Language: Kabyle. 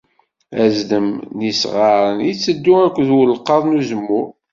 Azdam n yisɣaren itteddu akked ulqaḍ n uzemmur.